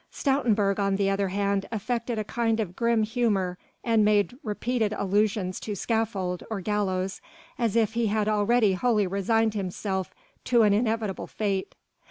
Stoutenburg, on the other hand affected a kind of grim humour, and made repeated allusions to scaffold or gallows as if he had already wholly resigned himself to an inevitable fate.